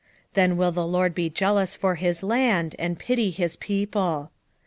2:18 Then will the LORD be jealous for his land, and pity his people.